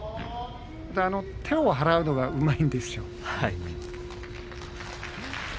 手を払うのが、うまいんです。